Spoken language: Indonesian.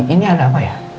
ini ada apa ya